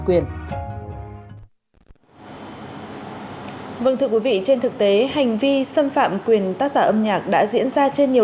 quyền vâng thưa quý vị trên thực tế hành vi xâm phạm quyền tác giả âm nhạc đã diễn ra trên nhiều